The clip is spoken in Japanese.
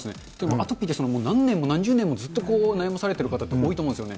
アトピーで何年も、何十年も悩まされてる方、多いと思うんですよね。